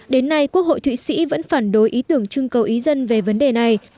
đến nay quốc hội thụy sĩ vẫn phản đối ý tưởng chưng cầu ý dân về vấn đề này